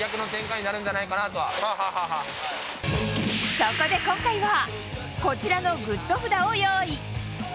そこで今回はこちらのＧＯＯＤ札を用意。